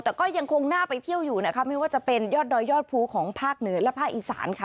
แต่ก็ยังคงน่าไปเที่ยวอยู่นะคะไม่ว่าจะเป็นยอดดอยยอดภูของภาคเหนือและภาคอีสานค่ะ